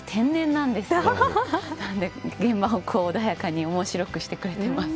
なので現場を穏やかに面白くしてくれてます。